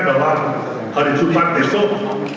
bahwa hari jumat besok